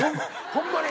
ホンマに。